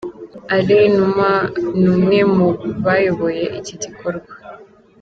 Alain Numa ni umwe mu bayoboye iki gikorwa.